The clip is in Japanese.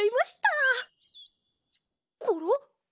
ころ！